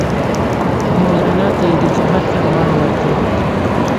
مولنا ته یې د جهاد فرمان ورکړ.